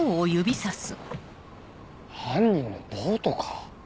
犯人のボートか？